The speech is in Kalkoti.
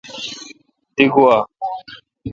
دی گوا۔